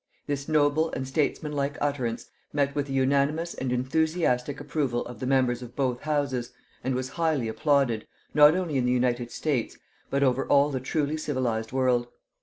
This noble and statesmanlike utterance met with the unanimous and enthusiastic approval of the members of both Houses, and was highly applauded, not only in the United States, but over all the truly civilized world.